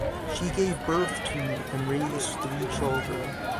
She gave birth to and raised three children.